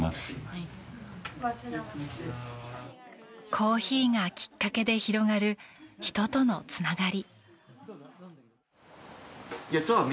コーヒーがきっかけで広がる人とのつながり。